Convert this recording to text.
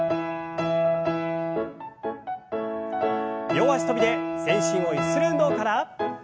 両脚跳びで全身をゆする運動から。